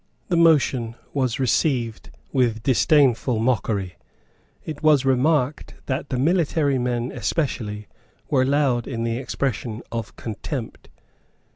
The motion was received with disdainful mockery. It was remarked that the military men especially were loud in the expression of contempt.